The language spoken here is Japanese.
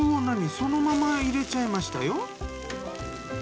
そのまま入れちゃいましたよ。